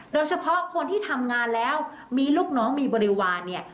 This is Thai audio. โดยเฉพาะคนที่ทำงานแล้วมีลูกน้องมีบริวารเนี่ย